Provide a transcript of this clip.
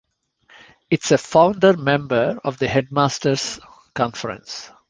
It is a founder member of the Headmaster's Conference.